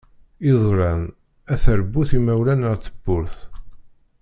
Iḍulan ar teṛbut imawlan ar tebburt.